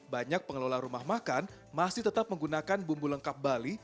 banyak pengelola rumah makan masih tetap menggunakan bumbu lengkap bali